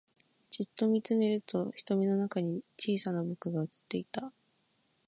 じっと見つめると瞳の中に小さな僕が映っていた